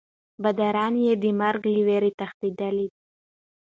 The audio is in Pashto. باداران یې د مرګ له ویرې تښتېدل.